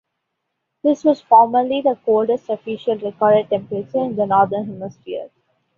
This was formerly the coldest officially recorded temperature in the Northern Hemisphere.